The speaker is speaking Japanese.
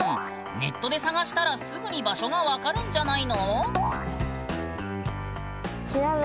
ネットで探したらすぐに場所が分かるんじゃないの？